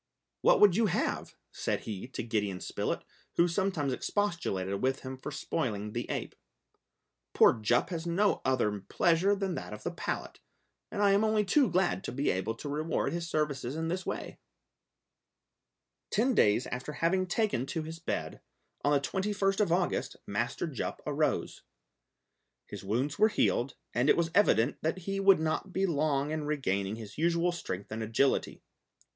"What would you have?" said he to Gideon Spilett, who sometimes expostulated with him for spoiling the ape. "Poor Jup has no other pleasure than that of the palate, and I am only too glad to be able to reward his services in this way!" [Illustration: TOP VISITING THE INVALID] Ten days after having taken to his bed, on the 21st of August, Master Jup arose. His wounds were healed, and it was evident that he would not be long in regaining his usual strength and agility.